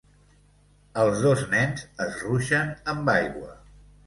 Els dos nens es ruixen amb aigua